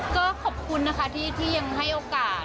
ก็ขอบคุณนะคะที่ยังให้โอกาส